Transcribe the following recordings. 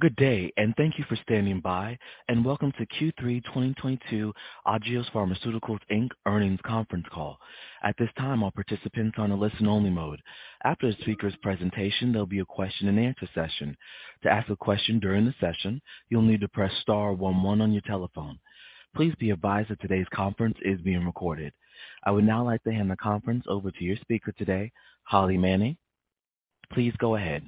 Good day, and thank you for standing by, and welcome to Q3 2022 Agios Pharmaceuticals, Inc. Earnings Conference Call. At this time, all participants are on a listen-only mode. After the speaker's presentation, there'll be a question-and-answer session. To ask a question during the session, you'll need to press star one one on your telephone. Please be advised that today's conference is being recorded. I would now like to hand the conference over to your speaker today, Holly Manning. Please go ahead.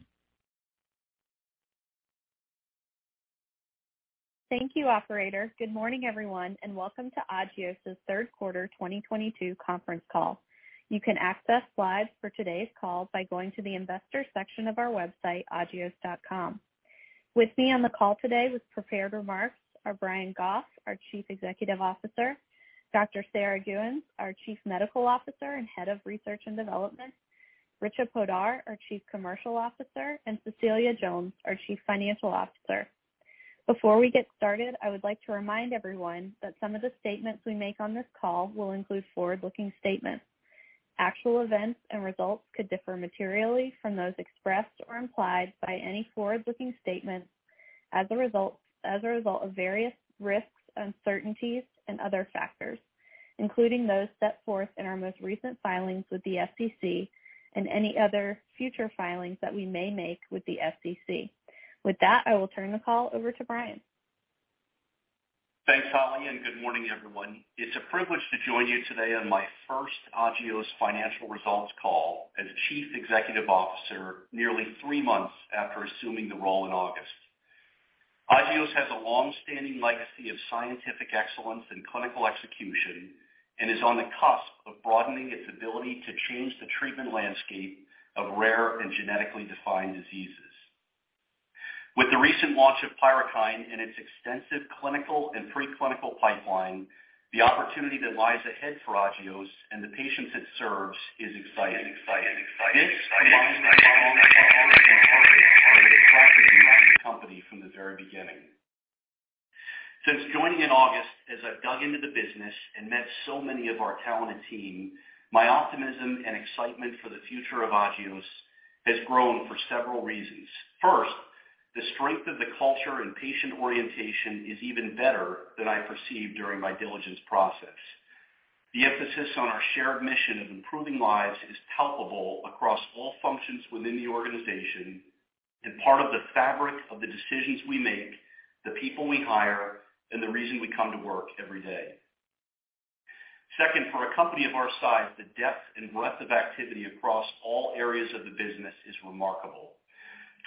Thank you, operator. Good morning, everyone, and welcome to Agios' Third Quarter 2022 Conference all. You can access slides for today's call by going to the investor section of our website, agios.com. With me on the call today with prepared remarks are Brian Goff, our Chief Executive Officer, Dr. Sarah Gheuens, our Chief Medical Officer and Head of Research and Development, Richa Poddar, our Chief Commercial Officer, and Cecilia Jones, our Chief Financial Officer. Before we get started, I would like to remind everyone that some of the statements we make on this call will include forward-looking statements. Actual events and results could differ materially from those expressed or implied by any forward-looking statements as a result of various risks, uncertainties and other factors, including those set forth in our most recent filings with the SEC and any other future filings that we may make with the SEC. With that, I will turn the call over to Brian. Thanks, Holly, and good morning, everyone. It's a privilege to join you today on my first Agios financial results call as Chief Executive Officer nearly three months after assuming the role in August. Agios has a long-standing legacy of scientific excellence and clinical execution and is on the cusp of broadening its ability to change the treatment landscape of rare and genetically defined diseases. With the recent launch of PYRUKYND and its extensive clinical and pre-clinical pipeline, the opportunity that lies ahead for Agios and the patients it serves is exciting. This, combined with our long-term purpose, are what attracted me to the company from the very beginning. Since joining in August, as I've dug into the business and met so many of our talented team, my optimism and excitement for the future of Agios has grown for several reasons. First, the strength of the culture and patient orientation is even better than I perceived during my diligence process. The emphasis on our shared mission of improving lives is palpable across all functions within the organization and part of the fabric of the decisions we make, the people we hire, and the reason we come to work every day. Second, for a company of our size, the depth and breadth of activity across all areas of the business is remarkable.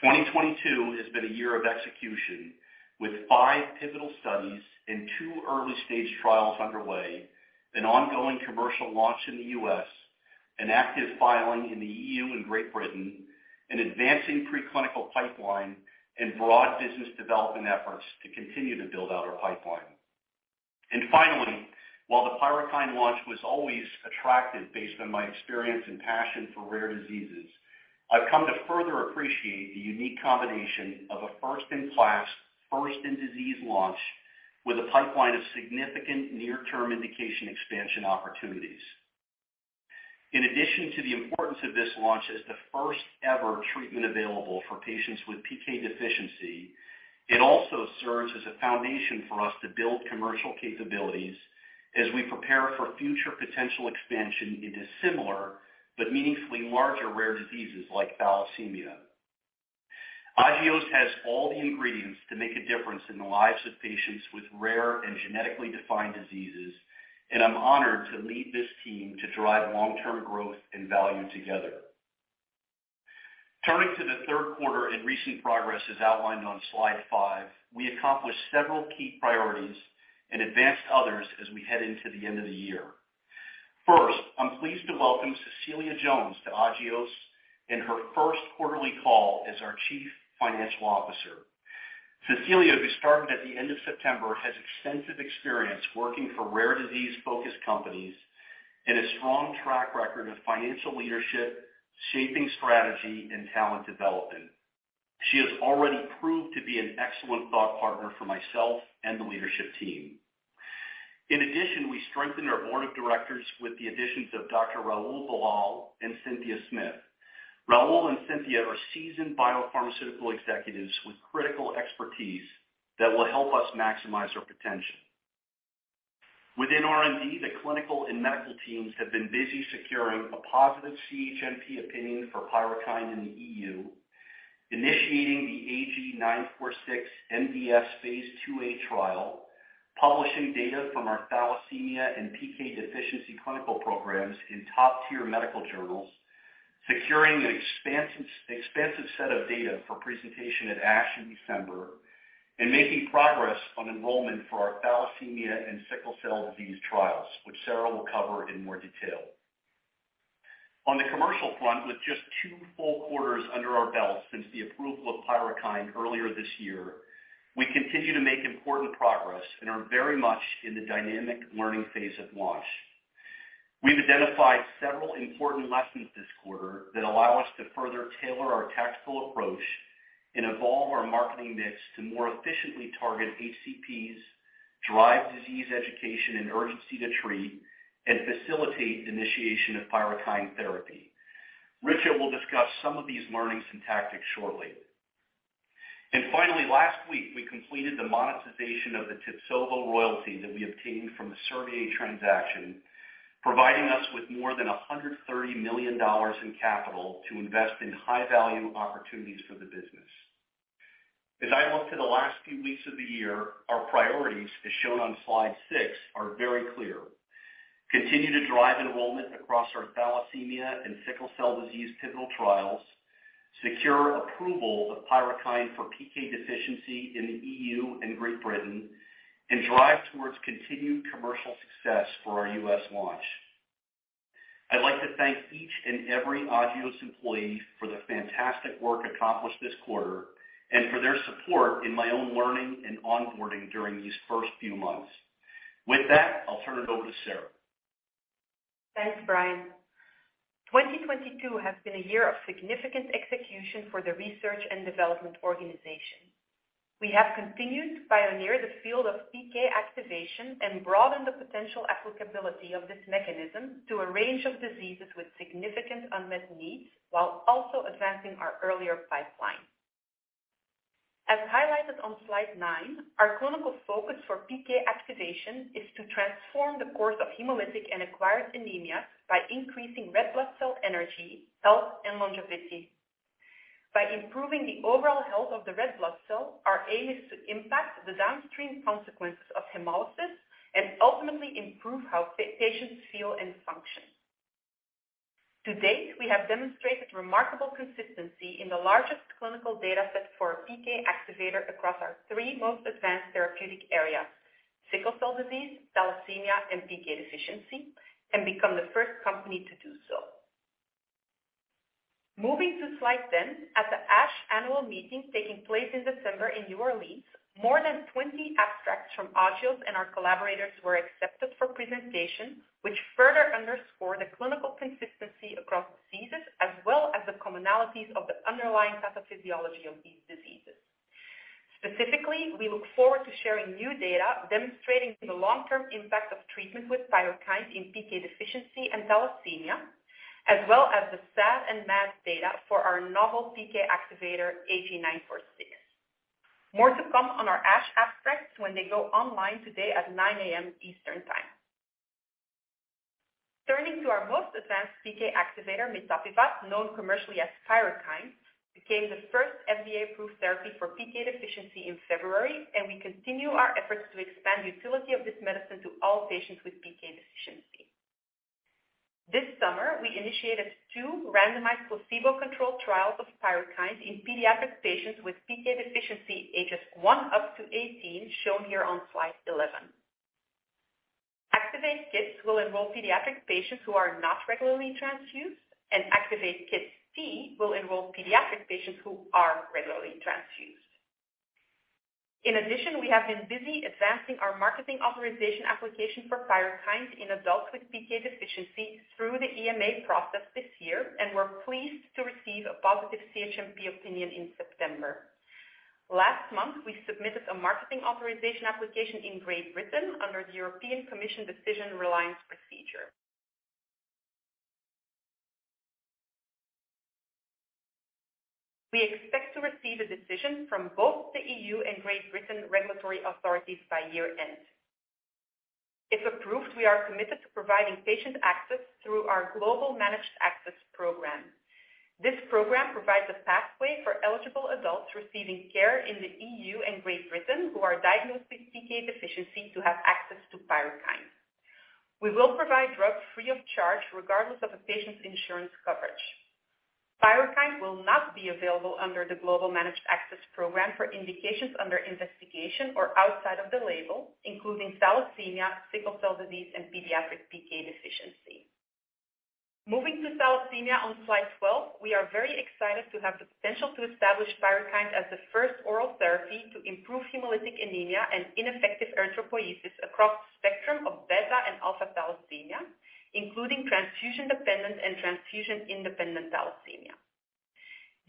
2022 has been a year of execution with five pivotal studies and two early-stage trials underway, an ongoing commercial launch in the U.S., an active filing in the E.U. and Great Britain, an advancing pre-clinical pipeline, and broad business development efforts to continue to build out our pipeline. Finally, while the PYRUKYND launch was always attractive based on my experience and passion for rare diseases, I've come to further appreciate the unique combination of a first-in-class, first-in-disease launch with a pipeline of significant near-term indication expansion opportunities. In addition to the importance of this launch as the first-ever treatment available for patients with PK deficiency, it also serves as a foundation for us to build commercial capabilities as we prepare for future potential expansion into similar but meaningfully larger rare diseases like thalassemia. Agios has all the ingredients to make a difference in the lives of patients with rare and genetically defined diseases, and I'm honored to lead this team to drive long-term growth and value together. Turning to the third quarter and recent progress as outlined on slide 5, we accomplished several key priorities and advanced others as we head into the end of the year. First, I'm pleased to welcome Cecilia Jones to Agios in her first quarterly call as our Chief Financial Officer. Cecilia, who started at the end of September, has extensive experience working for rare disease-focused companies and a strong track record of financial leadership, shaping strategy, and talent development. She has already proved to be an excellent thought partner for myself and the leadership team. In addition, we strengthened our board of directors with the additions of Dr. Rahul Ballal and Cynthia Smith. Rahul and Cynthia are seasoned biopharmaceutical executives with critical expertise that will help us maximize our potential. Within R&D, the clinical and medical teams have been busy securing a positive CHMP opinion for PYRUKYND in the EU, initiating the AG-946 MDS phase 2A trial, publishing data from our thalassemia and PK deficiency clinical programs in top-tier medical journals, securing an expansive set of data for presentation at ASH in December, and making progress on enrollment for our thalassemia and sickle cell disease trials, which Sarah will cover in more detail. On the commercial front, with just two full quarters under our belt since the approval of PYRUKYND earlier this year, we continue to make important progress and are very much in the dynamic learning phase of launch. We've identified several important lessons this quarter that allow us to further tailor our tactical approach and evolve our marketing mix to more efficiently target HCPs, drive disease education and urgency to treat, and facilitate initiation of PYRUKYND therapy. Richa will discuss some of these learnings and tactics shortly. Finally, last week, we completed the monetization of the TIBSOVO royalty that we obtained from the Servier transaction, providing us with more than $130 million in capital to invest in high-value opportunities for the business. As I look to the last few weeks of the year, our priorities, as shown on slide 6, are very clear. Continue to drive enrollment across our thalassemia and sickle cell disease pivotal trials, secure approval of PYRUKYND for PK deficiency in the EU and Great Britain, and drive towards continued commercial success for our U.S. launch. I'd like to thank each and every Agios employee for the fantastic work accomplished this quarter and for their support in my own learning and onboarding during these first few months. With that, I'll turn it over to Sarah. Thanks, Brian. 2022 has been a year of significant execution for the research and development organization. We have continued to pioneer the field of PK activation and broaden the potential applicability of this mechanism to a range of diseases with significant unmet needs while also advancing our earlier pipeline. As highlighted on slide 9, our clinical focus for PK activation is to transform the course of hemolytic and acquired anemia by increasing red blood cell energy, health, and longevity. By improving the overall health of the red blood cell, our aim is to impact the downstream consequences of hemolysis and ultimately improve how patients feel and function. To date, we have demonstrated remarkable consistency in the largest clinical data set for a PK activator across our three most advanced therapeutic areas: sickle cell disease, thalassemia, and PK deficiency, and become the first company to do so. Moving to slide 10, at the ASH annual meeting taking place in December in New Orleans, more than 20 abstracts from Agios and our collaborators were accepted for presentation, which further underscore the clinical consistency across diseases as well as the commonalities of the underlying pathophysiology of these diseases. Specifically, we look forward to sharing new data, demonstrating the long-term impact of treatment with PYRUKYND in PK deficiency and thalassemia, as well as the SAD and MAD data for our novel PK activator, AG-946. More to come on our ASH abstracts when they go online today at 9:00 A.M. Eastern Time. Turning to our most advanced PK activator, mitapivat, known commercially as PYRUKYND, became the first FDA-approved therapy for PK deficiency in February, and we continue our efforts to expand the utility of this medicine to all patients with PK deficiency. This summer, we initiated 2 randomized placebo-controlled trials of PYRUKYND in pediatric patients with PK deficiency ages 1 up to 18, shown here on slide 11. ACTIVATE-Kids will involve pediatric patients who are not regularly transfused, and ACTIVATE-KidsT will involve pediatric patients who are regularly transfused. In addition, we have been busy advancing our marketing authorization application for PYRUKYND in adults with PK deficiency through the EMA process this year, and we're pleased to receive a positive CHMP opinion in September. Last month, we submitted a marketing authorization application in Great Britain under the European Commission decision reliance procedure. We expect to receive a decision from both the EU and Great Britain regulatory authorities by year-end. If approved, we are committed to providing patient access through our global managed access program. This program provides a pathway for eligible adults receiving care in the EU and Great Britain who are diagnosed with PK deficiency to have access to PYRUKYND. We will provide drug free of charge regardless of a patient's insurance coverage. PYRUKYND will not be available under the global managed access program for indications under investigation or outside of the label, including thalassemia, sickle cell disease, and pediatric PK deficiency. Moving to thalassemia on slide 12, we are very excited to have the potential to establish PYRUKYND as the first oral therapy to improve hemolytic anemia and ineffective erythropoiesis across the spectrum of beta and alpha thalassemia, including transfusion-dependent and transfusion-independent thalassemia.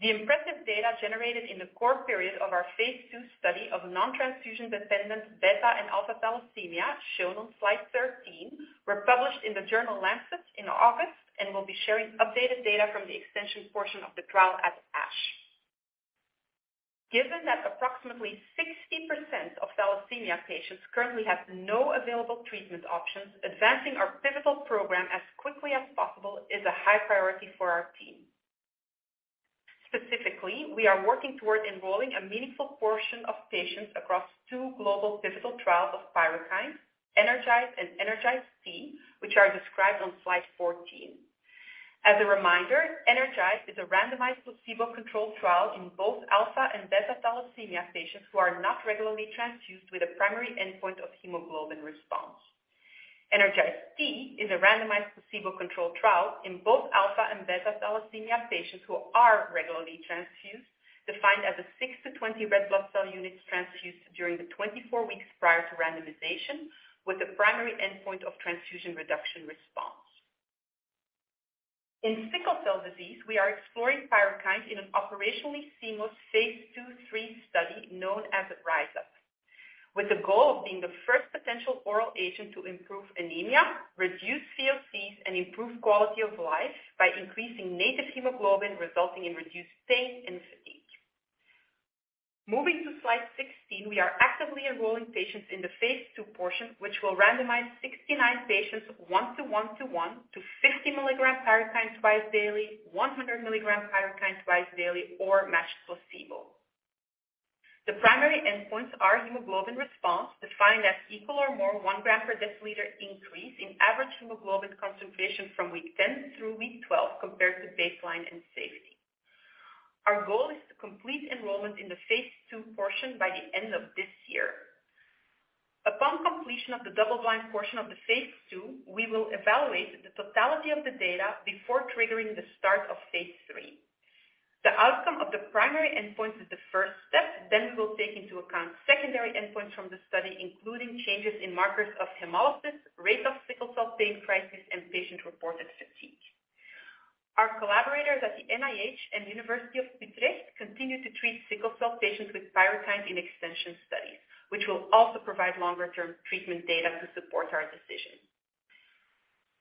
The impressive data generated in the core period of our phase 2 study of non-transfusion dependent beta and alpha thalassemia, shown on slide 13, were published in The Lancet in August and will be sharing updated data from the extension portion of the trial at ASH. Given that approximately 60% of thalassemia patients currently have no available treatment options, advancing our pivotal program as quickly as possible is a high priority for our team. Specifically, we are working toward enrolling a meaningful portion of patients across two global pivotal trials of PYRUKYND, ENERGIZE and ENERGIZE-T, which are described on slide 14. As a reminder, ENERGIZE is a randomized placebo-controlled trial in both alpha and beta thalassemia patients who are not regularly transfused with a primary endpoint of hemoglobin response. ENERGIZE-T is a randomized placebo-controlled trial in both alpha and beta thalassemia patients who are regularly transfused, defined as 6-20 red blood cell units transfused during the 24 weeks prior to randomization with a primary endpoint of transfusion reduction response. In sickle cell disease, we are exploring PYRUKYND in an operationally seamless phase 2/3 study known as RISE UP, with the goal of being the first potential oral agent to improve anemia, reduce COCs, and improve quality of life by increasing native hemoglobin, resulting in reduced pain and fatigue. Moving to slide 16, we are actively enrolling patients in the phase 2 portion, which will randomize 69 patients 1:1 to 10 to 60 milligrams PYRUKYND twice daily, 100 milligrams PYRUKYND twice daily, or matched placebo. The primary endpoints are hemoglobin response, defined as equal or more 1 gram per deciliter increase in average hemoglobin concentration from week 10 through week 12 compared to baseline and safety. Our goal is to complete enrollment in the phase 2 portion by the end of this year. Upon completion of the double-blind portion of the phase 2, we will evaluate the totality of the data before triggering the start of phase 3. The outcome of the primary endpoint is the first step. We will take into account secondary endpoints from the study, including changes in markers of hemolysis, rate of sickle cell pain crisis, and patient-reported fatigue. Our collaborators at the NIH and Utrecht University continue to treat sickle cell patients with PYRUKYND in extension studies, which will also provide longer-term treatment data to support our decision.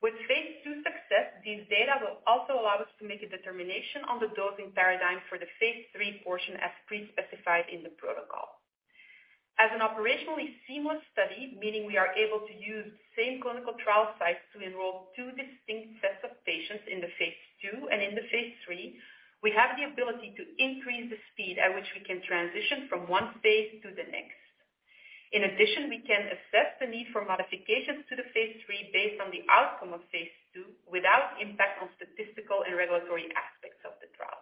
With phase 2 success, these data will also allow us to make a determination on the dosing paradigm for the phase 3 portion as pre-specified in the protocol. As an operationally seamless study, meaning we are able to use same clinical trial sites to enroll two distinct sets of patients in the phase 2 and in the phase 3, we have the ability to increase the speed at which we can transition from one phase to the next. In addition, we can assess the need for modifications to the phase 3 based on the outcome of phase 2 without impact on statistical and regulatory aspects of the trial.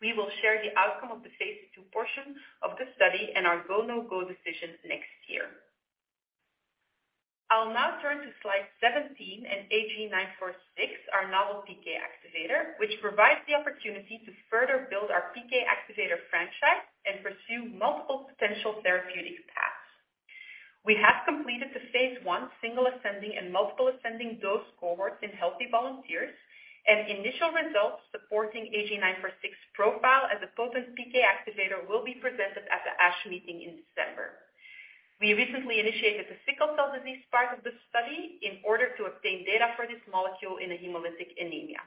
We will share the outcome of the phase 2 portion of the study and our go, no-go decision next year. I'll now turn to slide 17 and AG946, our novel PK activator, which provides the opportunity to further build our PK activator franchise and pursue multiple potential therapeutic paths. We have completed the phase 1 single ascending and multiple ascending dose cohorts in healthy volunteers, and initial results supporting AG946 profile as a potent PK activator will be presented at the ASH meeting in December. We recently initiated the sickle cell disease part of the study in order to obtain data for this molecule in a hemolytic anemia.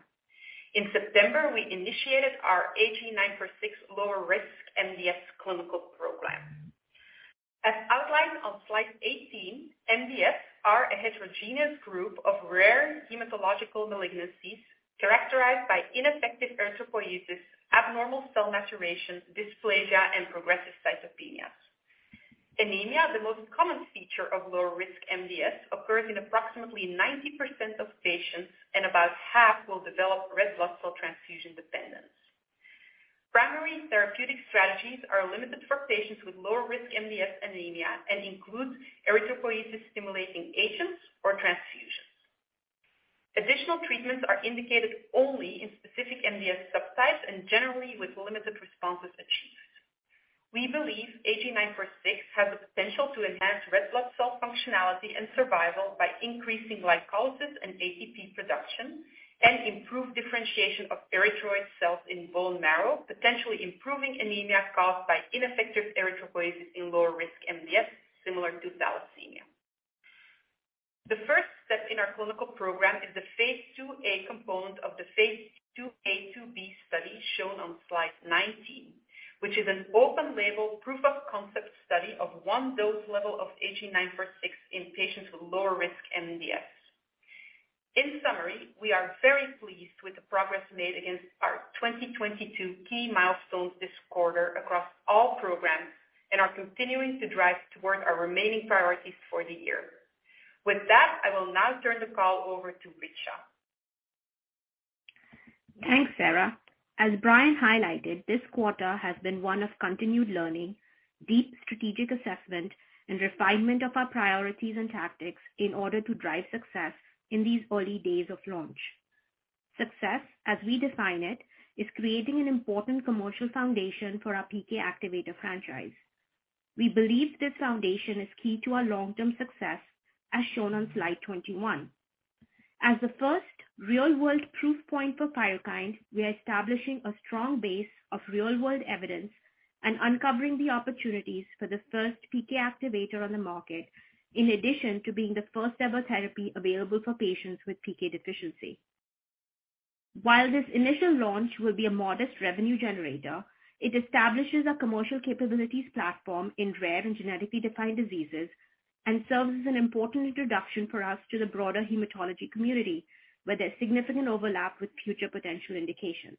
In September, we initiated our AG946 lower risk MDS clinical program. As outlined on slide 18, MDS are a heterogeneous group of rare hematological malignancies characterized by ineffective erythropoiesis, abnormal cell maturation, dysplasia, and progressive cytopenias. Anemia, the most common feature of lower risk MDS, occurs in approximately 90% of patients, and about half will develop red blood cell transfusion dependence. Primary therapeutic strategies are limited for patients with lower risk MDS anemia and includes erythropoiesis-stimulating agents or transfusions. Additional treatments are indicated only in specific MDS subtypes and generally with limited responses achieved. We believe AG946 has the potential to enhance red blood cell functionality and survival by increasing glycolysis and ATP production and improve differentiation of erythroid cells in bone marrow, potentially improving anemia caused by ineffective erythropoiesis in lower risk MDS similar to thalassemia. The first step in our clinical program is the phase 2a component of the phase 2a/2b study shown on slide 19, which is an open-label proof of concept study of one dose level of AG946 in patients with lower risk MDS. In summary, we are very pleased with the progress made against our 2022 key milestones this quarter across all programs and are continuing to drive towards our remaining priorities for the year. With that, I will now turn the call over to Richa. Thanks, Sarah. As Brian highlighted, this quarter has been one of continued learning, deep strategic assessment, and refinement of our priorities and tactics in order to drive success in these early days of launch. Success, as we define it, is creating an important commercial foundation for our PK activator franchise. We believe this foundation is key to our long-term success, as shown on slide 21. As the first real-world proof point for PYRUKYND, we are establishing a strong base of real-world evidence and uncovering the opportunities for the first PK activator on the market, in addition to being the first-ever therapy available for patients with PK deficiency. While this initial launch will be a modest revenue generator, it establishes a commercial capabilities platform in rare and genetically defined diseases and serves as an important introduction for us to the broader hematology community, where there's significant overlap with future potential indications.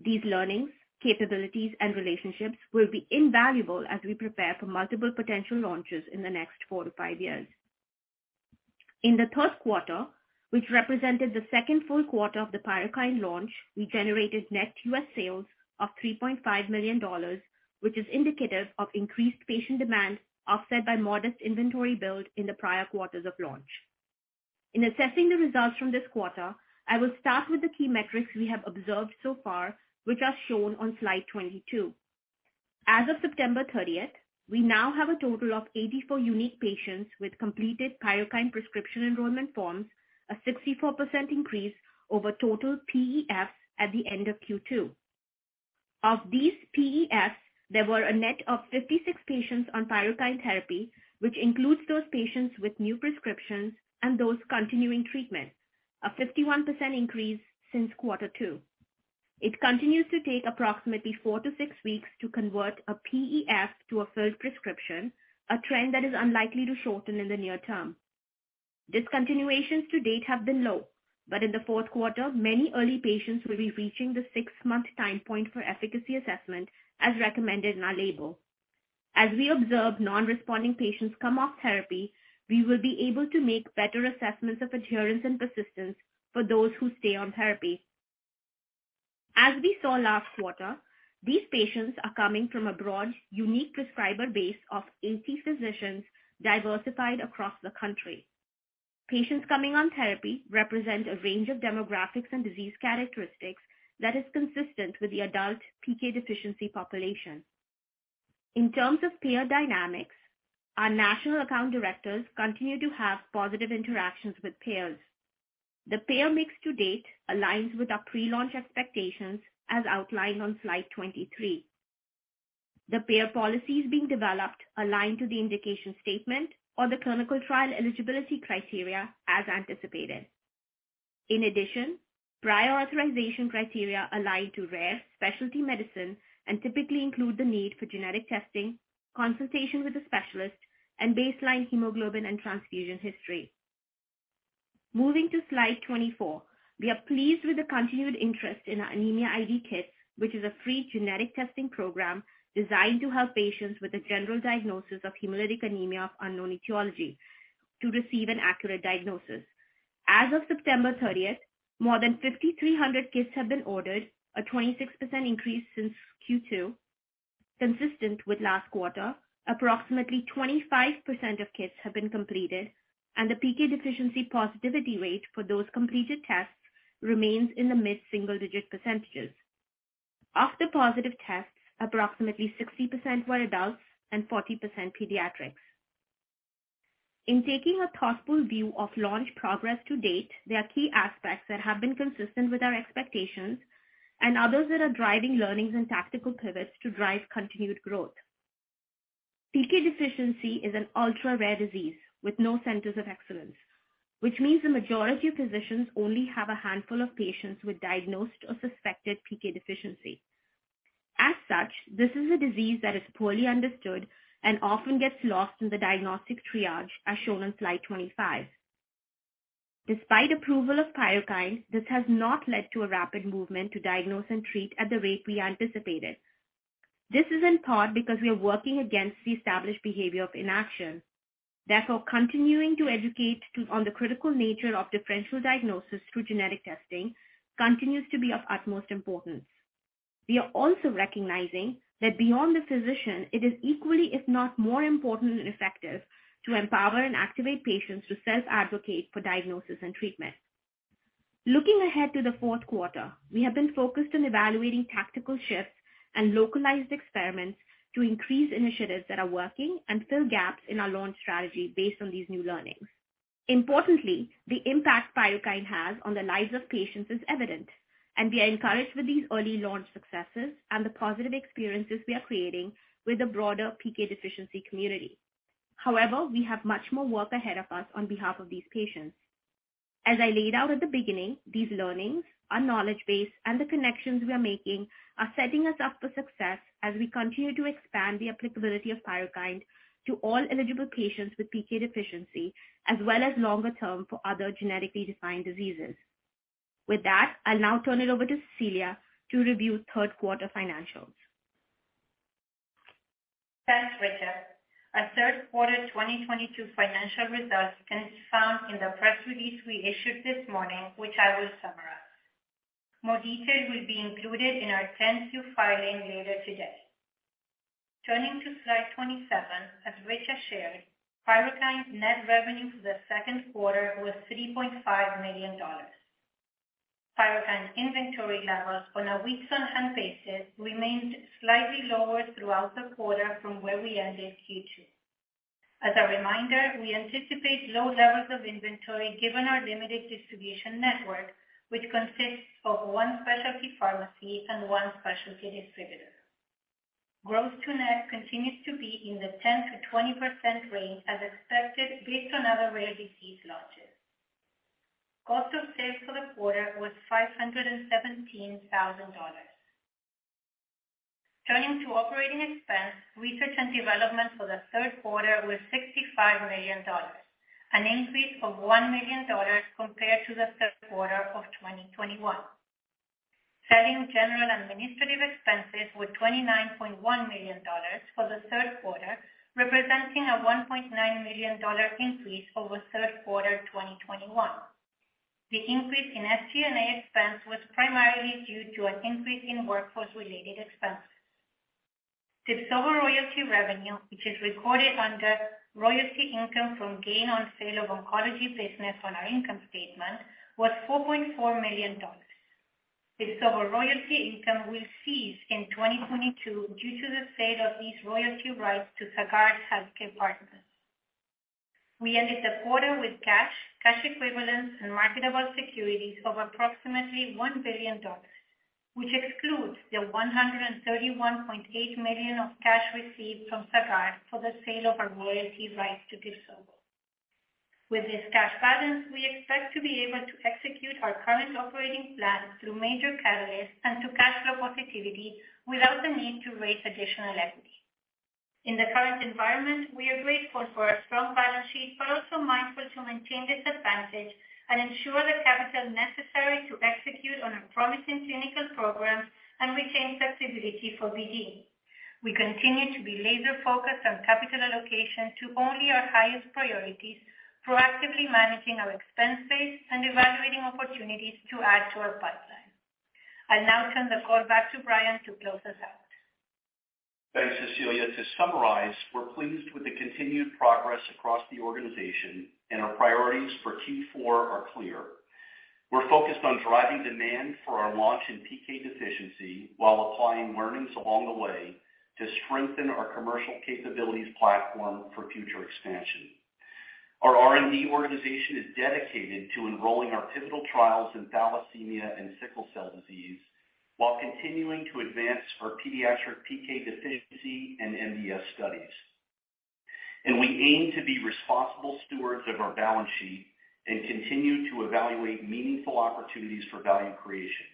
These learnings, capabilities, and relationships will be invaluable as we prepare for multiple potential launches in the next 4-5 years. In the third quarter, which represented the second full quarter of the PYRUKYND launch, we generated net U.S. sales of $3.5 million, which is indicative of increased patient demand offset by modest inventory build in the prior quarters of launch. In assessing the results from this quarter, I will start with the key metrics we have observed so far, which are shown on slide 22. As of September 30th, we now have a total of 84 unique patients with completed PYRUKYND prescription enrollment forms, a 64% increase over total PEFs at the end of Q2. Of these PEFs, there were a net of 56 patients on PYRUKYND therapy, which includes those patients with new prescriptions and those continuing treatment, a 51% increase since quarter two. It continues to take approximately 4-6 weeks to convert a PEF to a filled prescription, a trend that is unlikely to shorten in the near term. Discontinuations to date have been low, but in the fourth quarter, many early patients will be reaching the 6-month time point for efficacy assessment as recommended in our label. As we observe non-responding patients come off therapy, we will be able to make better assessments of adherence and persistence for those who stay on therapy. As we saw last quarter, these patients are coming from a broad, unique prescriber base of 80 physicians diversified across the country. Patients coming on therapy represent a range of demographics and disease characteristics that is consistent with the adult PK deficiency population. In terms of payer dynamics, our national account directors continue to have positive interactions with payers. The payer mix to date aligns with our pre-launch expectations as outlined on slide 23. The payer policies being developed align to the indication statement or the clinical trial eligibility criteria as anticipated. In addition, prior authorization criteria align to rare specialty medicine and typically include the need for genetic testing, consultation with a specialist, and baseline hemoglobin and transfusion history. Moving to slide 24. We are pleased with the continued interest in our Anemia ID kit, which is a free genetic testing program designed to help patients with a general diagnosis of hemolytic anemia of unknown etiology to receive an accurate diagnosis. As of September thirtieth, more than 5,300 kits have been ordered, a 26% increase since Q2. Consistent with last quarter, approximately 25% of kits have been completed, and the PK deficiency positivity rate for those completed tests remains in the mid-single-digit percentages. Of the positive tests, approximately 60% were adults and 40% pediatrics. In taking a thoughtful view of launch progress to date, there are key aspects that have been consistent with our expectations and others that are driving learnings and tactical pivots to drive continued growth. PK deficiency is an ultra-rare disease with no centers of excellence, which means the majority of physicians only have a handful of patients with diagnosed or suspected PK deficiency. As such, this is a disease that is poorly understood and often gets lost in the diagnostic triage, as shown on slide 25. Despite approval of PYRUKYND, this has not led to a rapid movement to diagnose and treat at the rate we anticipated. This is in part because we are working against the established behavior of inaction. Therefore, continuing to educate on the critical nature of differential diagnosis through genetic testing continues to be of utmost importance. We are also recognizing that beyond the physician, it is equally, if not more important and effective to empower and activate patients to self-advocate for diagnosis and treatment. Looking ahead to the fourth quarter, we have been focused on evaluating tactical shifts and localized experiments to increase initiatives that are working and fill gaps in our launch strategy based on these new learnings. Importantly, the impact PYRUKYND has on the lives of patients is evident, and we are encouraged with these early launch successes and the positive experiences we are creating with the broader PK deficiency community. However, we have much more work ahead of us on behalf of these patients. As I laid out at the beginning, these learnings, our knowledge base, and the connections we are making are setting us up for success as we continue to expand the applicability of PYRUKYND to all eligible patients with PK deficiency, as well as longer-term for other genetically defined diseases. With that, I'll now turn it over to Cecilia to review third-quarter financials. Thanks, Richa. Our third-quarter 2022 financial results can be found in the press release we issued this morning, which I will summarize. More details will be included in our 10-Q filing later today. Turning to slide 27, as Richa shared, PYRUKYND's net revenue for the second quarter was $3.5 million. PYRUKYND inventory levels on a weeks-on-hand basis remained slightly lower throughout the quarter from where we ended Q2. As a reminder, we anticipate low levels of inventory given our limited distribution network, which consists of one specialty pharmacy and one specialty distributor. Growth to net continues to be in the 10%-20% range as expected based on other rare disease launches. Cost of sales for the quarter was $517,000. Turning to operating expense, research and development for the third quarter was $65 million, an increase of $1 million compared to the third quarter of 2021. Selling general administrative expenses were $29.1 million for the third quarter, representing a $1.9 million increase over third quarter 2021. The increase in SG&A expense was primarily due to an increase in workforce-related expenses. TIBSOVO revenue, which is recorded under royalty income from gain on sale of oncology business on our income statement, was $4.4 million. The Servier royalty income will cease in 2022 due to the sale of these royalty rights to Sagard Healthcare Partners. We ended the quarter with cash equivalents and marketable securities of approximately $1 billion, which excludes the $131.8 million of cash received from Sagard for the sale of our royalty rights to TIBSOVO. With this cash balance, we expect to be able to execute our current operating plan through major catalysts and to cash flow positivity without the need to raise additional equity. In the current environment, we are grateful for our strong balance sheet, but also mindful to maintain this advantage and ensure the capital necessary to execute on our promising clinical programs and retain flexibility for BD. We continue to be laser-focused on capital allocation to only our highest priorities, proactively managing our expenses and evaluating opportunities to add to our pipeline. I now turn the call back to Brian to close us out. Thanks, Cecilia. To summarize, we're pleased with the continued progress across the organization and our priorities for Q4 are clear. We're focused on driving demand for our launch in PK deficiency while applying learnings along the way to strengthen our commercial capabilities platform for future expansion. Our R&D organization is dedicated to enrolling our pivotal trials in thalassemia and sickle cell disease while continuing to advance our pediatric PK deficiency and MDS studies. We aim to be responsible stewards of our balance sheet and continue to evaluate meaningful opportunities for value creation.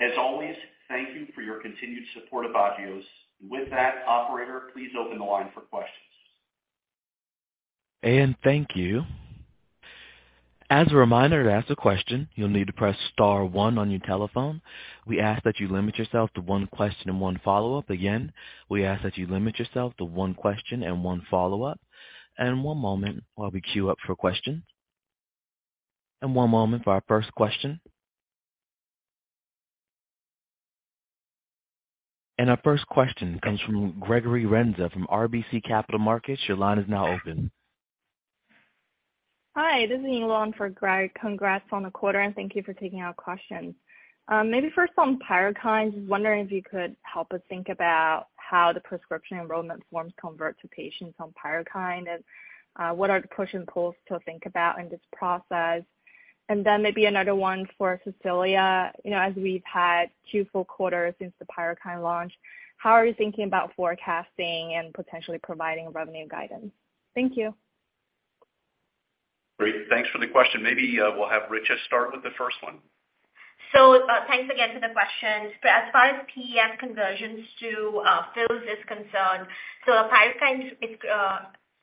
As always, thank you for your continued support of Agios. With that, operator, please open the line for questions. Thank you. As a reminder, to ask a question, you'll need to press star one on your telephone. We ask that you limit yourself to one question and one follow-up. Again, we ask that you limit yourself to one question and one follow-up. One moment while we queue up for questions. One moment for our first question. Our first question comes from Gregory Renza from RBC Capital Markets. Your line is now open. Hi, this is Ying Lon for Greg. Congrats on the quarter, and thank you for taking our questions. Maybe first on PYRUKYND, just wondering if you could help us think about how the prescription enrollment forms convert to patients on PYRUKYND and what are the pushes and pulls to think about in this process. Maybe another one for Cecilia. You know, as we've had two full quarters since the PYRUKYND launch, how are you thinking about forecasting and potentially providing revenue guidance? Thank you. Great. Thanks for the question. Maybe, we'll have Richa start with the first one. Thanks again for the questions. As far as PEF conversions to fills is concerned, PYRUKYND, it's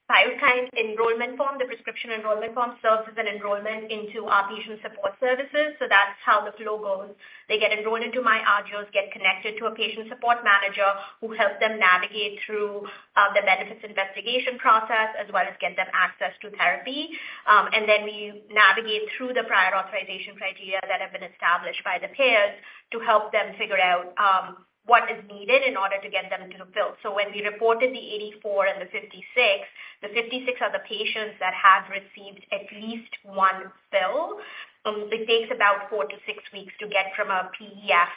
PYRUKYND enrollment form, the prescription enrollment form serves as an enrollment into our patient support services. That's how the flow goes. They get enrolled into myAgios, get connected to a patient support manager who helps them navigate through the benefits investigation process, as well as get them access to therapy. We navigate through the prior authorization criteria that have been established by the payers to help them figure out what is needed in order to get them to the fill. When we reported the 84 and the 56, the 56 are the patients that have received at least one fill. It takes about 4-6 weeks to get from a PEF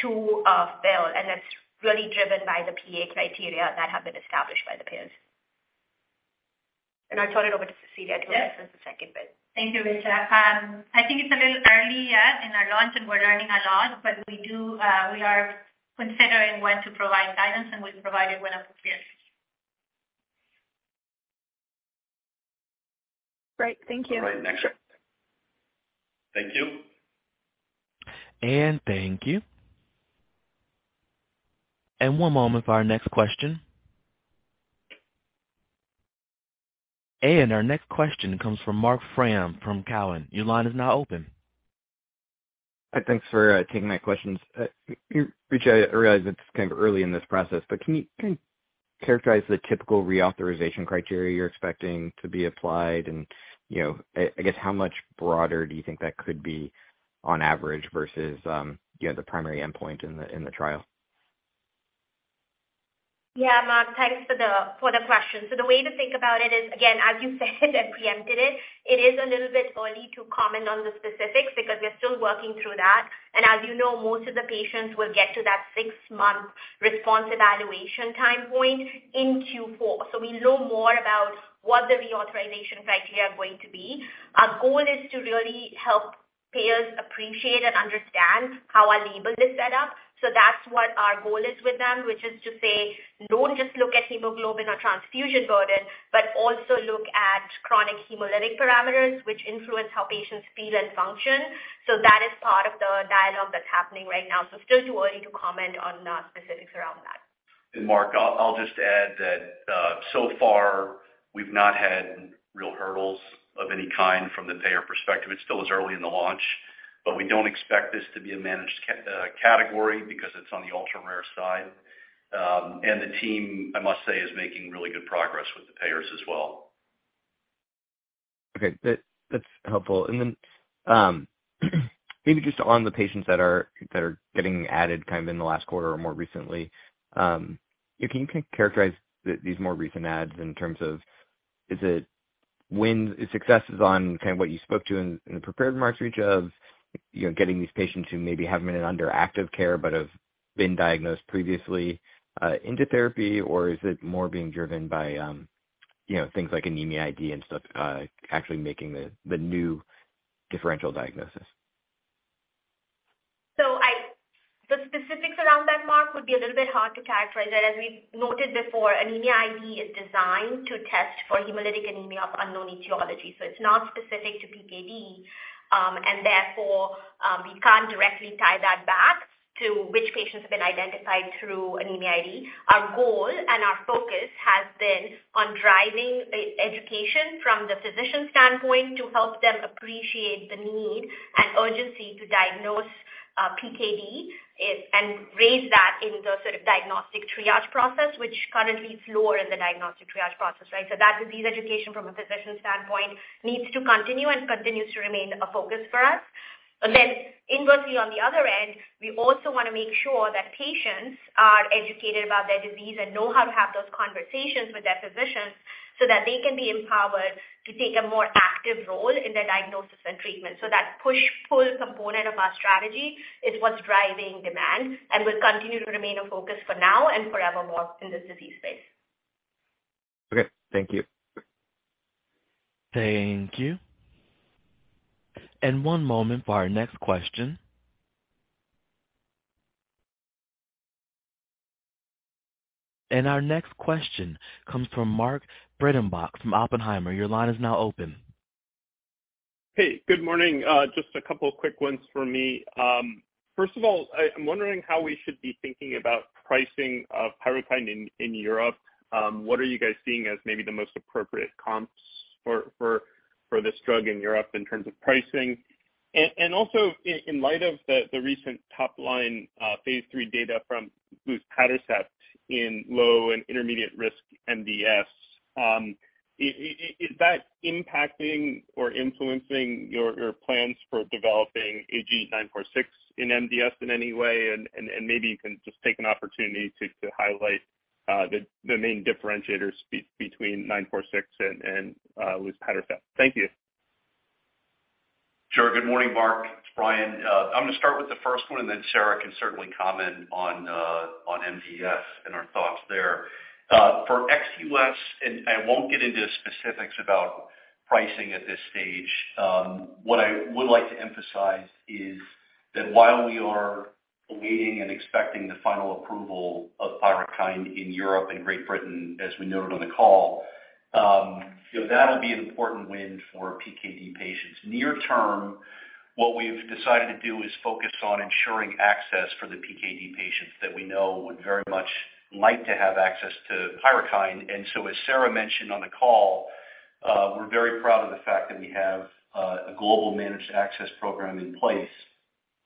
to a fill, and that's really driven by the PA criteria that have been established by the payers. I'll turn it over to Cecilia to answer the second bit. Thank you, Richa. I think it's a little early yet in our launch, and we're learning a lot, but we do, we are considering when to provide guidance, and we'll provide it when appropriate. Great. Thank you. All right. Next question. Thank you. Thank you. One moment for our next question. Our next question comes from Marc Frahm from Cowen. Your line is now open. Thanks for taking my questions. Richa, I realize it's kind of early in this process, but can you characterize the typical reauthorization criteria you're expecting to be applied? You know, I guess, how much broader do you think that could be on average versus the primary endpoint in the trial? Yeah. Mark, thanks for the question. The way to think about it is, again, as you said and preempted it is a little bit early to comment on the specifics because we're still working through that. As you know, most of the patients will get to that six-month response evaluation time point in Q4. We know more about what the reauthorization criteria are going to be. Our goal is to really help payers appreciate and understand how our label is set up. That's what our goal is with them, which is to say, don't just look at hemoglobin or transfusion burden, but also look at chronic hemolytic parameters, which influence how patients feel and function. That is part of the dialogue that's happening right now. Still too early to comment on specifics around that. Marc, I'll just add that so far we've not had real hurdles of any kind from the payer perspective. It's still as early in the launch, but we don't expect this to be a managed category because it's on the ultra-rare side. The team, I must say, is making really good progress with the payers as well. Okay. That's helpful. Then, maybe just on the patients that are getting added kind of in the last quarter or more recently, can you characterize these more recent adds in terms of is it wins successes on kind of what you spoke to in the prepared remarks, Richa Poddar, you know, getting these patients who maybe haven't been under active care but have been diagnosed previously, into therapy, or is it more being driven by, you know, things like Anemia ID and stuff, actually making the new differential diagnosis? The specifics around that, Mark, would be a little bit hard to characterize that. As we've noted before, Anemia ID is designed to test for hemolytic anemia of unknown etiology, so it's not specific to PKD. And therefore, we can't directly tie that back to which patients have been identified through Anemia ID. Our goal and our focus has been on driving education from the physician standpoint to help them appreciate the need and urgency to diagnose PKD, and raise that in the sort of diagnostic triage process, which currently is lower in the diagnostic triage process, right? That disease education from a physician standpoint needs to continue and continues to remain a focus for us. Inversely, on the other end, we also wanna make sure that patients are educated about their disease and know how to have those conversations with their physicians so that they can be empowered to take a more active role in their diagnosis and treatment. That push-pull component of our strategy is what's driving demand and will continue to remain a focus for now and forevermore in this disease space. Okay, thank you. Thank you. One moment for our next question. Our next question comes from Mark Breidenbach from Oppenheimer. Your line is now open. Hey, good morning. Just a couple quick ones for me. First of all, I'm wondering how we should be thinking about pricing of PYRUKYND in Europe. What are you guys seeing as maybe the most appropriate comps for this drug in Europe in terms of pricing? Also in light of the recent top line phase 3 data from luspatercept in low and intermediate risk MDS, is that impacting or influencing your plans for developing AG-946 in MDS in any way? Maybe you can just take an opportunity to highlight the main differentiators between AG-946 and luspatercept. Thank you. Sure. Good morning, Marc. It's Brian. I'm gonna start with the first one, and then Sarah can certainly comment on MDS and our thoughts there. For ex-U.S., and I won't get into specifics about pricing at this stage. What I would like to emphasize is that while we are awaiting and expecting the final approval of PYRUKYND in Europe and Great Britain, as we noted on the call, you know, that'll be an important win for PKD patients. Near term, what we've decided to do is focus on ensuring access for the PKD patients that we know would very much like to have access to PYRUKYND. As Sarah mentioned on the call, we're very proud of the fact that we have a global managed access program in place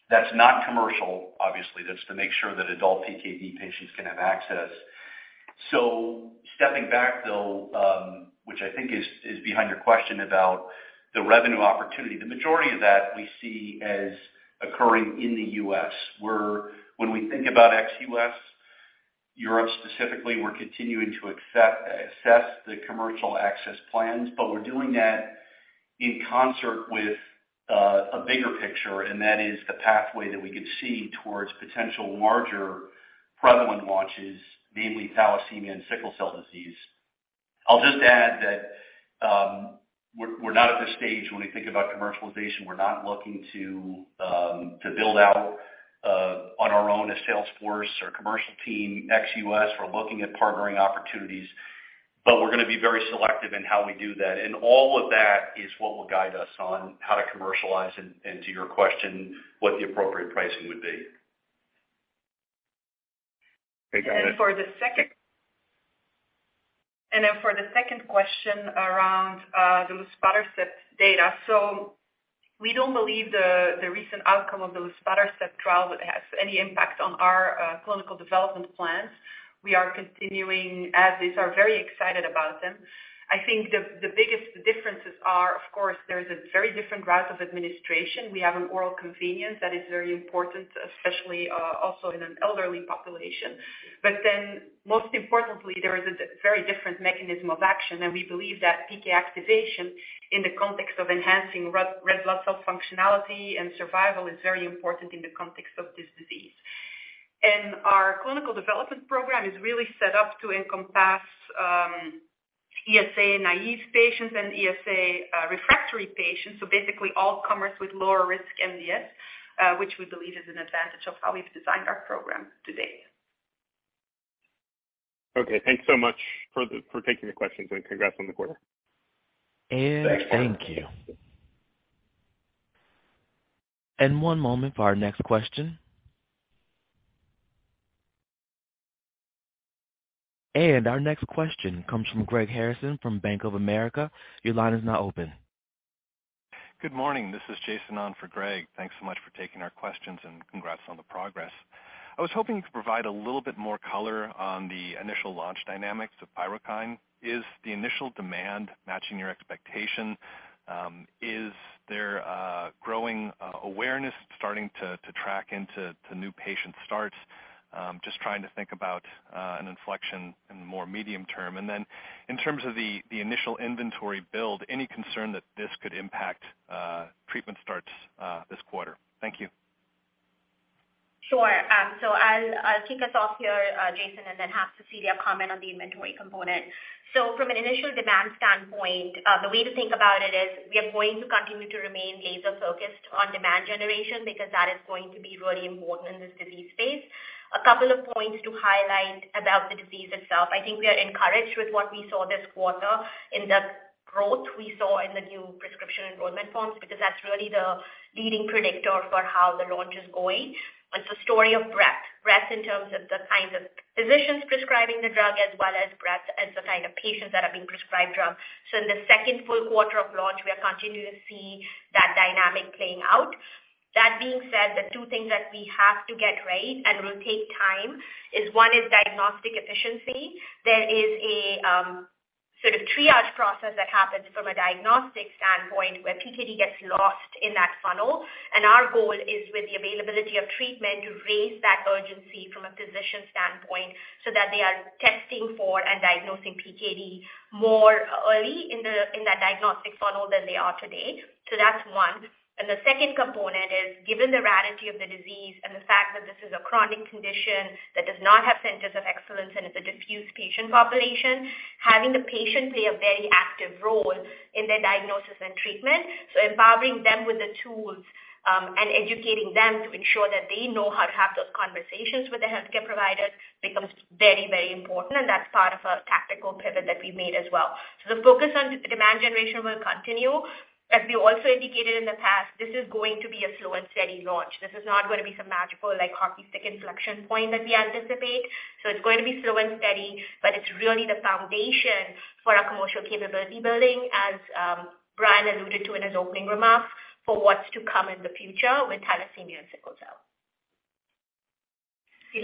that's not commercial, obviously. That's to make sure that adult PKD patients can have access. Stepping back though, which I think is behind your question about the revenue opportunity. The majority of that we see as occurring in the U.S., where when we think about ex-U.S., Europe specifically, we're continuing to access the commercial access plans. We're doing that in concert with a bigger picture, and that is the pathway that we could see towards potential larger prevalent launches, namely thalassemia and sickle cell disease. I'll just add that, we're not at the stage when we think about commercialization. We're not looking to build out on our own a sales force or commercial team, ex-U.S. We're looking at partnering opportunities, but we're gonna be very selective in how we do that. All of that is what will guide us on how to commercialize and, to your question, what the appropriate pricing would be. Thanks. For the second question around the luspatercept data. We don't believe the recent outcome of the luspatercept trial would have any impact on our clinical development plans. We are continuing as is, are very excited about them. I think the biggest differences are, of course, there is a very different route of administration. We have an oral convenience that is very important, especially also in an elderly population. But then most importantly, there is a very different mechanism of action, and we believe that PK activation in the context of enhancing red blood cell functionality and survival is very important in the context of this disease. Our clinical development program is really set up to encompass ESA-naive patients and ESA refractory patients. Basically all comers with lower risk MDS, which we believe is an advantage of how we've designed our program to date. Okay, thanks so much for taking the questions and congrats on the quarter. Thanks. Thank you. One moment for our next question. Our next question comes from Greg Harrison from Bank of America. Your line is now open. Good morning, this is Jason on for Greg. Thanks so much for taking our questions and congrats on the progress. I was hoping you could provide a little bit more color on the initial launch dynamics of PYRUKYND. Is the initial demand matching your expectation? Is there growing awareness starting to track into new patient starts? Just trying to think about an inflection in the more medium-term. Then in terms of the initial inventory build, any concern that this could impact treatment starts this quarter? Thank you. Sure. I'll kick us off here, Jason, and then have Cecilia comment on the inventory component. From an initial demand standpoint, the way to think about it is we are going to continue to remain laser-focused on demand generation because that is going to be really important in this disease phase. A couple of points to highlight about the disease itself. I think we are encouraged with what we saw this quarter in the growth we saw in the new prescription enrollment forms, because that's really the leading predictor for how the launch is going. It's a story of breadth. Breadth in terms of the kinds of physicians prescribing the drug, as well as breadth as the kind of patients that are being prescribed drug. In the second full quarter of launch, we are continuing to see that dynamic playing out. That being said, the two things that we have to get right and will take time is, one is diagnostic efficiency. There is a sort of triage process that happens from a diagnostic standpoint where PKD gets lost in that funnel. Our goal is with the availability of treatment to raise that urgency from a physician standpoint so that they are testing for and diagnosing PKD more early in the diagnostic funnel than they are today. That's one. The second component is, given the rarity of the disease and the fact that this is a chronic condition that does not have centers of excellence and it's a diffuse patient population, having the patient play a very active role in their diagnosis and treatment. Empowering them with the tools, and educating them to ensure that they know how to have those conversations with their healthcare providers becomes very, very important. That's part of a tactical pivot that we made as well. The focus on demand generation will continue. As we also indicated in the past, this is going to be a slow and steady launch. This is not gonna be some magical like hockey stick inflection point that we anticipate. It's going to be slow and steady, but it's really the foundation for our commercial capability building, as Brian alluded to in his opening remarks, for what's to come in the future with thalassemia and sickle cell. In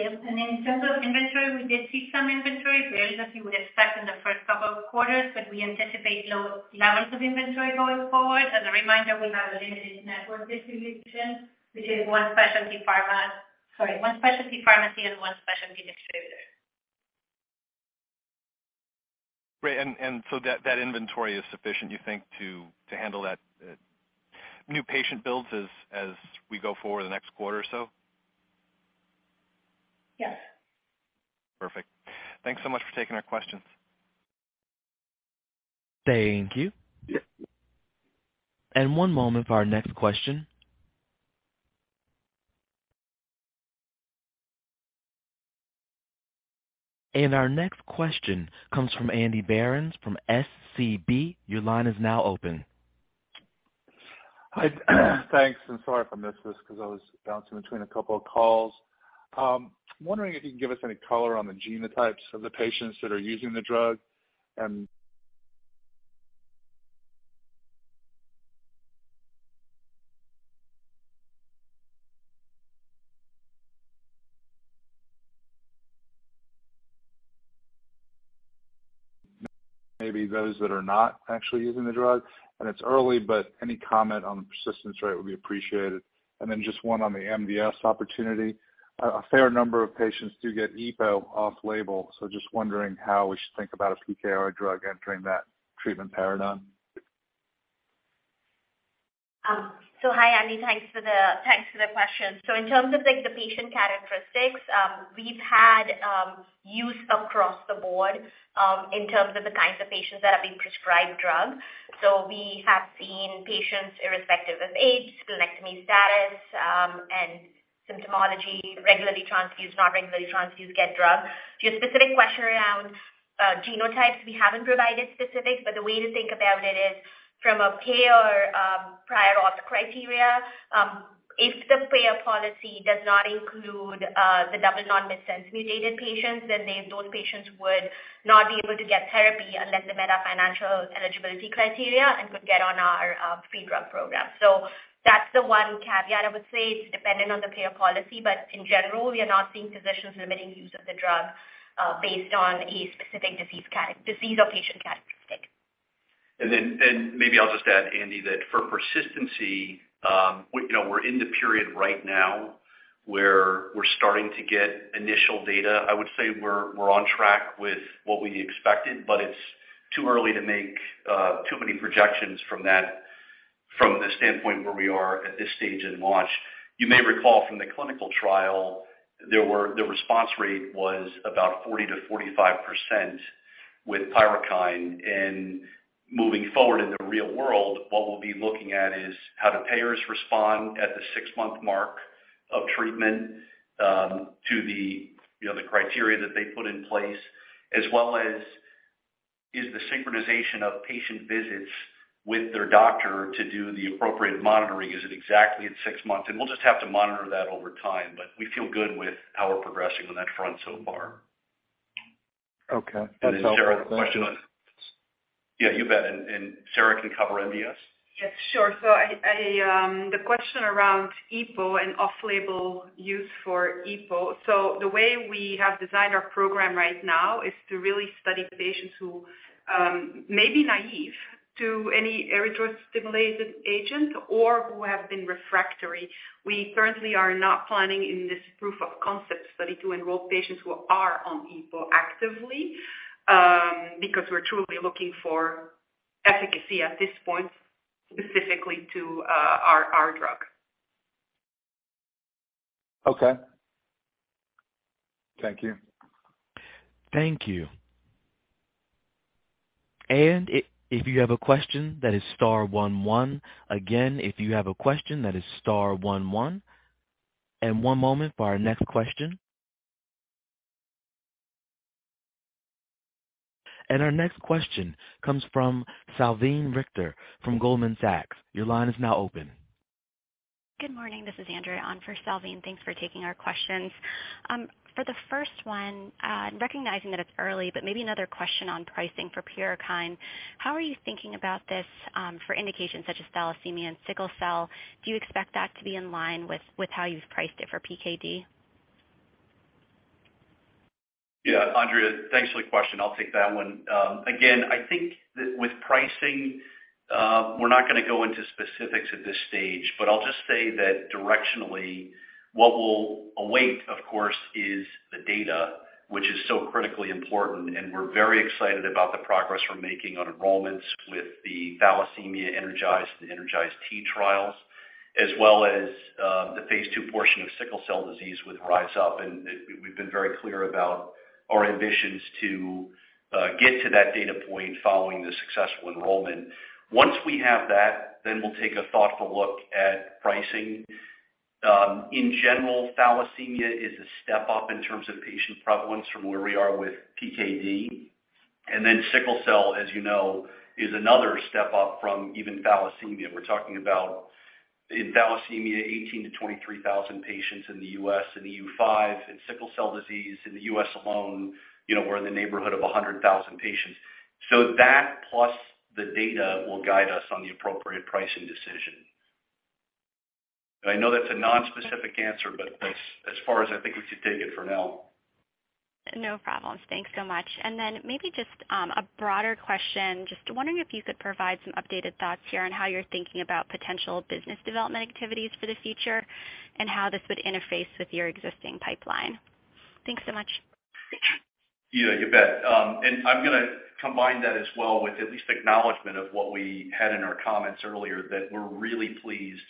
terms of inventory, we did see some inventory, really as you would expect in the first couple of quarters, but we anticipate low levels of inventory going forward. As a reminder, we have a limited network distribution, which is one specialty pharmacy and one specialty distributor. Great. That inventory is sufficient, you think, to handle that new patient builds as we go forward the next quarter or so? Yes. Perfect. Thanks so much for taking our questions. Thank you. Yeah. One moment for our next question. Our next question comes from Andrew Berens from SVB. Your line is now open. Hi. Thanks, and sorry if I missed this because I was bouncing between a couple of calls. Wondering if you can give us any color on the genotypes of the patients that are using the drug and maybe those that are not actually using the drug, and it's early, but any comment on the persistence rate would be appreciated. Just one on the MDS opportunity. A fair number of patients do get EPO off-label, so just wondering how we should think about a PKR drug entering that treatment paradigm. Hi, Andy. Thanks for the question. In terms of, like, the patient characteristics, we've had use across the board in terms of the kinds of patients that are being prescribed drug. We have seen patients irrespective of age, splenectomy status, and symptomology, regularly transfused, not regularly transfused, get drug. To your specific question around genotypes, we haven't provided specifics, but the way to think about it is from a payer prior auth criteria, if the payer policy does not include the double non-missense mutated patients, then those patients would not be able to get therapy unless they met our financial eligibility criteria and could get on our free drug program. That's the one caveat. I would say it's dependent on the payer policy, but in general, we are not seeing physicians limiting use of the drug, based on a specific disease or patient characteristic. Maybe I'll just add, Andy, that for persistency, we, you know, we're in the period right now where we're starting to get initial data. I would say we're on track with what we expected, but it's too early to make too many projections from that, from the standpoint where we are at this stage in launch. You may recall from the clinical trial, the response rate was about 40%-45% with PYRUKYND. Moving forward in the real world, what we'll be looking at is how do payers respond at the six-month mark of treatment, to the, you know, the criteria that they put in place, as well as is the synchronization of patient visits with their doctor to do the appropriate monitoring, is it exactly at six months? We'll just have to monitor that over time, but we feel good with how we're progressing on that front so far. Okay. Yeah, you bet. Sarah can cover MDS. Yes, sure. The question around EPO and off-label use for EPO. The way we have designed our program right now is to really study patients who may be naive to any erythropoiesis agent or who have been refractory. We currently are not planning in this proof of concept study to enroll patients who are on EPO actively, because we're truly looking for efficacy at this point, specifically to our drug. Okay. Thank you. Thank you. If you have a question, that is star one one. Again, if you have a question, that is star one one. One moment for our next question. Our next question comes from Salveen Richter from Goldman Sachs. Your line is now open. Good morning. This is Andrea on for Salveen. Thanks for taking our questions. For the first one, recognizing that it's early, but maybe another question on pricing for PYRUKYND. How are you thinking about this, for indications such as thalassemia and sickle cell? Do you expect that to be in line with how you've priced it for PKD? Yeah. Andrea, thanks for the question. I'll take that one. Again, I think with pricing, we're not gonna go into specifics at this stage, but I'll just say that directionally, what we'll await, of course, is the data, which is so critically important, and we're very excited about the progress we're making on enrollments with the thalassemia ENERGIZE, the ENERGIZE-T trials, as well as, the phase two portion of sickle cell disease with RISE UP. We've been very clear about our ambitions to get to that data point following the successful enrollment. Once we have that, then we'll take a thoughtful look at pricing. In general, thalassemia is a step up in terms of patient prevalence from where we are with PKD. Then sickle cell, as you know, is another step up from even thalassemia. We're talking about in thalassemia, 18,000-23,000 patients in the U.S. and EU5. In sickle cell disease in the U.S. alone, you know, we're in the neighborhood of 100,000 patients. So that plus the data will guide us on the appropriate pricing decision. I know that's a nonspecific answer, but that's as far as I think we should take it for now. No problems. Thanks so much. Maybe just a broader question. Just wondering if you could provide some updated thoughts here on how you're thinking about potential business development activities for the future and how this would interface with your existing pipeline. Thanks so much. Yeah. You bet. I'm gonna combine that as well with at least acknowledgment of what we had in our comments earlier, that we're really pleased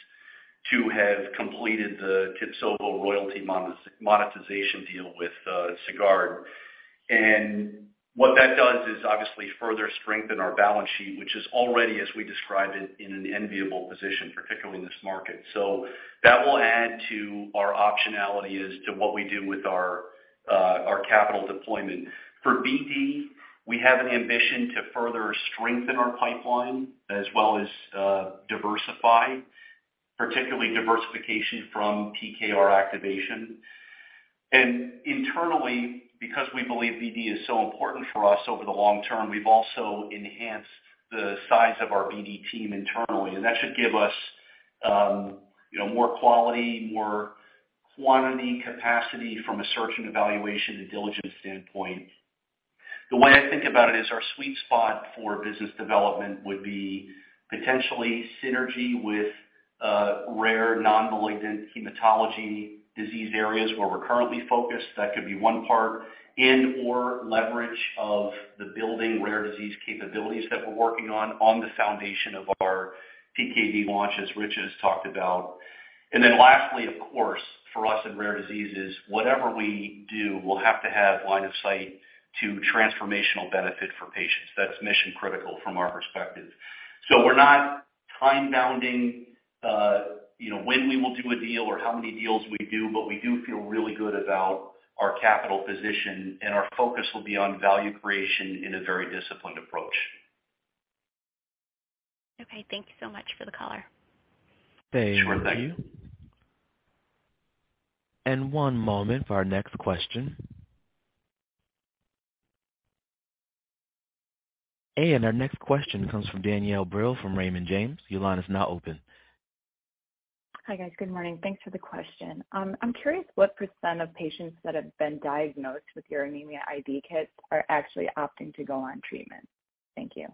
to have completed the TIBSOVO royalty monetization deal with Sagard. What that does is obviously further strengthen our balance sheet, which is already, as we described it, in an enviable position, particularly in this market. That will add to our optionality as to what we do with our capital deployment. For BD, we have an ambition to further strengthen our pipeline as well as diversify, particularly diversification from PK activation. Internally, because we believe BD is so important for us over the long term, we've also enhanced the size of our BD team internally. That should give us, you know, more quality, more quantity, capacity from a search and evaluation and diligence standpoint. The way I think about it is our sweet spot for business development would be potentially synergy with rare non-malignant hematology disease areas where we're currently focused. That could be one part and/or leverage of the building rare disease capabilities that we're working on the foundation of our PKD launch, as Richa has talked about. Lastly, of course, for us in rare diseases, whatever we do, we'll have to have line of sight to transformational benefit for patients. That's mission critical from our perspective. We're not time-bounding, you know, when we will do a deal or how many deals we do, but we do feel really good about our capital position and our focus will be on value creation in a very disciplined approach. Okay. Thank you so much for the color. Sure thing. Thank you. One moment for our next question. Our next question comes from Danielle Brill from Raymond James. Your line is now open. Hi, guys. Good morning. Thanks for the question. I'm curious what % of patients that have been diagnosed with your Anemia ID kits are actually opting to go on treatment. Thank you.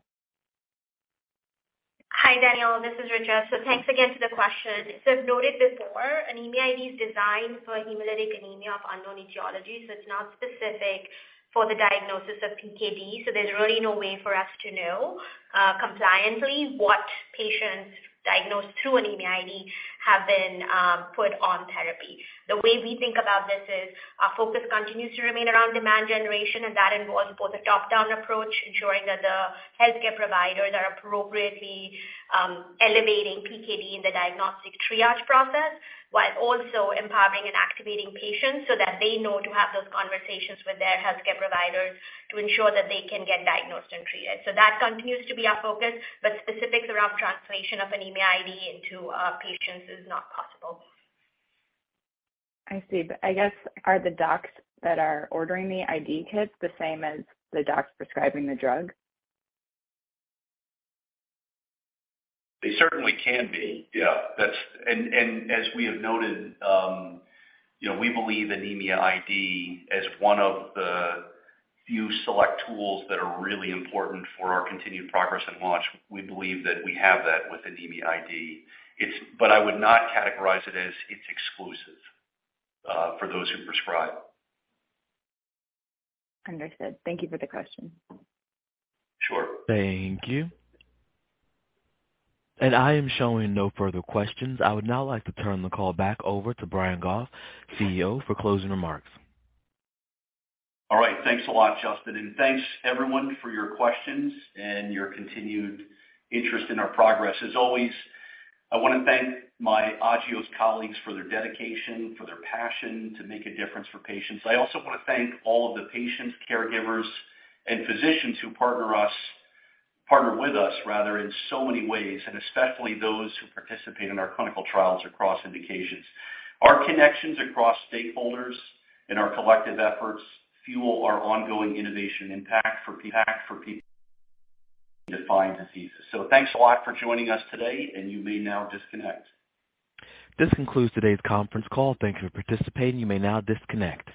Hi, Danielle. This is Richa. Thanks again for the question. As noted before, Anemia ID is designed for hemolytic anemia of unknown etiology, so it's not specific for the diagnosis of PKD. There's really no way for us to know compliantly what patients diagnosed through Anemia ID have been put on therapy. The way we think about this is our focus continues to remain around demand generation, and that involves both a top-down approach, ensuring that the healthcare providers are appropriately elevating PKD in the diagnostic triage process, while also empowering and activating patients so that they know to have those conversations with their healthcare providers to ensure that they can get diagnosed and treated. That continues to be our focus, but specifics around translation of Anemia ID into our patients is not possible. I see. I guess, are the docs that are ordering the ID kits the same as the docs prescribing the drug? They certainly can be. Yeah. As we have noted, you know, we believe Anemia ID as one of the few select tools that are really important for our continued progress and launch. We believe that we have that with Anemia ID. I would not categorize it as it's exclusive for those who prescribe. Understood. Thank you for the question. Sure. Thank you. I am showing no further questions. I would now like to turn the call back over to Brian Goff, CEO, for closing remarks. All right. Thanks a lot, Justin, and thanks everyone for your questions and your continued interest in our progress. As always, I wanna thank my Agios colleagues for their dedication, for their passion to make a difference for patients. I also wanna thank all of the patients, caregivers, and physicians who partner us, partner with us rather, in so many ways, and especially those who participate in our clinical trials across indications. Our connections across stakeholders and our collective efforts fuel our ongoing innovation impact for people defined diseases. Thanks a lot for joining us today, and you may now disconnect. This concludes today's conference call. Thank you for participating. You may now disconnect.